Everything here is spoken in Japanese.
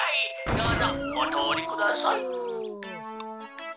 どうぞおとおりください」。